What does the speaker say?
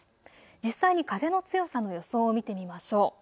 実際に風の強さの予想を見てみましょう。